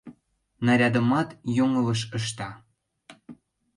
Нарядымат йоҥылыш ышта...